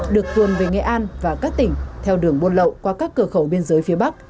được tuần về nghệ an và các tỉnh theo đường buôn lậu qua các cửa khẩu biên giới phía bắc